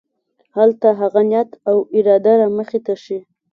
دلته هغه نیت او اراده رامخې ته شي.